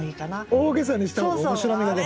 大げさにした方が面白みが出るもんね。